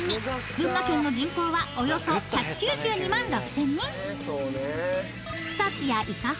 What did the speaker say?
群馬県の人口はおよそ１９２万６，０００人］